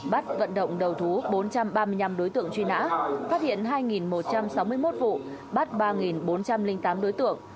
bắt vận động đầu thú bốn trăm ba mươi năm đối tượng truy nã phát hiện hai một trăm sáu mươi một vụ bắt ba bốn trăm linh tám đối tượng